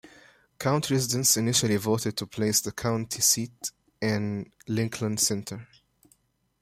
County residents initially voted to place the county seat in Lincoln Center.